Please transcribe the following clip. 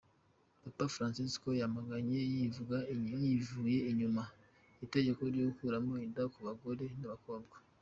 Papa Fransisco yamaganye yivuye inyuma itegeko ryo gukuramo inda ku bagore n’abakobwa.